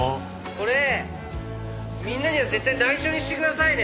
「これみんなには絶対内緒にしてくださいね」